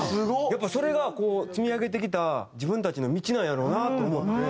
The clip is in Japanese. やっぱそれが積み上げてきた自分たちの道なんやろうなと思って。